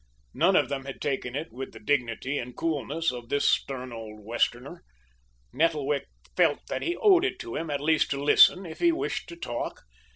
None of them had taken it with the dignity and coolness of this stern old Westerner. Nettlewick felt that he owed it to him at least to listen if he wished to talk.